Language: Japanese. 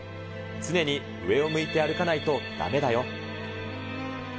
常に上を向いて歩かないとだめだよ。